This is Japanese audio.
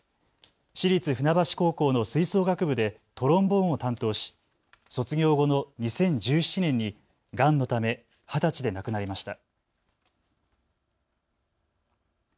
市立船橋高校の吹奏楽部でトロンボーンを担当し卒業後の２０１７年にがんのため二十歳で亡くなりました。